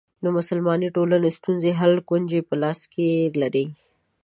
د مسلمانو ټولنو ستونزو حل کونجي په لاس کې لري.